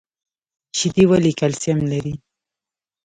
شیدې ولې کلسیم لري؟